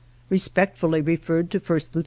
Respectfully referred to 1st Lieut.